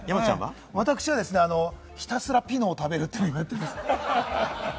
私はひたすらピノを食べるっていうのをやってます。